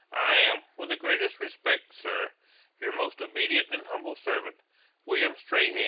I am, with the greatest respect, Sir, 'Your most obedient and humble servant, 'WILLIAM STRAHAN.'